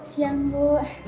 selamat siang bu